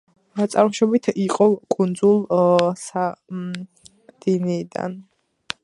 წარმოშობით იყო კუნძულ სარდინიიდან.